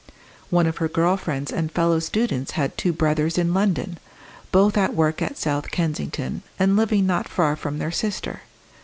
One of her girl friends and fellow students had two brothers in London, both at work at South Kensington, and living not far from their sister.